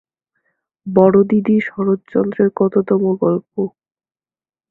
বড়দিদি শরৎচন্দ্রের কততম গল্প?